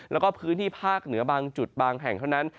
แล้วก็พื้นที่ภาคเหนือบางจุดบางแห่งเท่านั้น